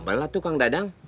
kepala tuh kang dadang